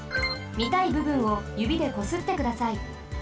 みたいぶぶんをゆびでこすってください。